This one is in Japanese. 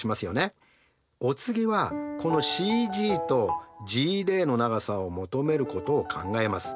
お次はこのＣＧとＧＤの長さを求めることを考えます。